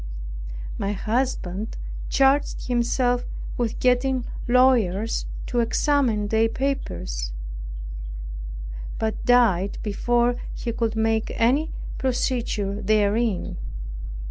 My husband charged himself with getting lawyers to examine their papers, but died before he could make any procedure therein.